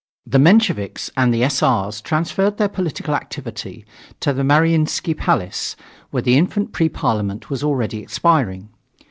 The Mensheviks and the S. R.'s transferred their political activity to the Maryiinsky Palace, where the infant Pre Parliament was already expiring.